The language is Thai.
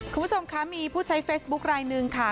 คุณผู้ชมคะมีผู้ใช้เฟซบุ๊คลายหนึ่งค่ะ